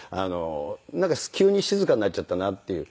なんか急に静かになっちゃったなっていう。